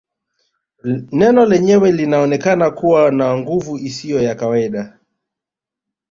Neno lenyewe linaonekana kuwa na nguvu isiyo ya kawaida